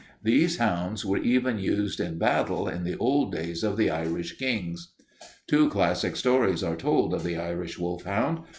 These hounds were even used in battle in the old days of the Irish kings. "Two classic stories are told of the Irish wolfhound.